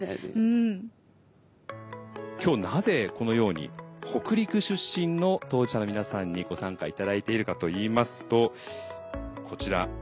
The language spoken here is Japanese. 今日なぜこのように北陸出身の当事者の皆さんにご参加頂いているかといいますとこちら。